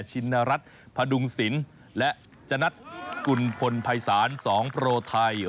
ชินรัฐพดุงศิลป์และจนัดสกุลพลภัยศาล๒โปรไทย